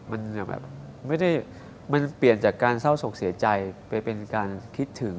บ๊วยบ๊วยมันเปลี่ยนจากการเศร้าสกเสียใจไปเป็นการคิดถึง